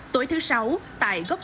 tối thứ sáu tại gốc nguyên